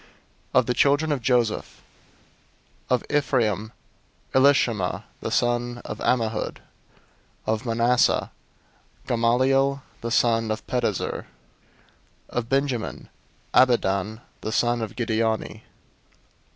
001:010 Of the children of Joseph: Of Ephraim: Elishama the son of Ammihud. Of Manasseh: Gamaliel the son of Pedahzur. 001:011 Of Benjamin: Abidan the son of Gideoni.